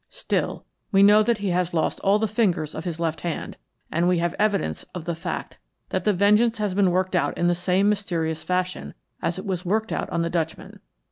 Still, we know that he has lost all the fingers of his left hand, and we have evidence of the fact that the vengeance has been worked out in the same mysterious fashion as it was worked out on the Dutchman.